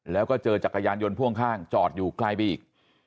แล้วก็เจอจักรยานยนต์พ่วงข้างจอดอยู่ไกลไปอีก